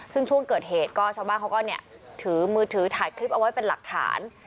ซึ่งช่วงเกิดเหตุก็ชาวบ้านเขาก็ถือมือถือถ่ายคลิปเอาไว้เป็นหลักฐาน